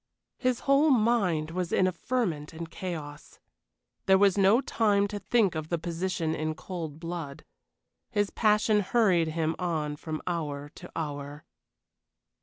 His whole mind was in a ferment and chaos. There was no time to think of the position in cold blood. His passion hurried him on from hour to hour.